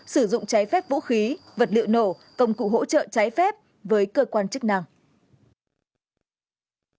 sử dụng trái phép vũ khí vật liệu nổ công cụ hỗ trợ trái phép với cơ quan chức năng